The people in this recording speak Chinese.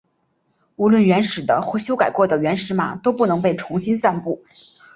无论原始的或修改过的原始码都不能被重新散布。